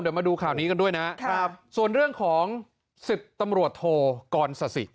เดี๋ยวมาดูข่าวนี้กันด้วยนะครับส่วนเรื่องของสิบตำรวจโทกรสสิ